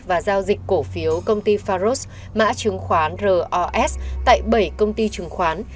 và giao dịch cổ phiếu công ty faros mã chứng khoán ros tại bảy công ty chứng khoán